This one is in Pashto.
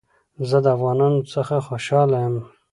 زه د افغانانو څخه خوشحاله يم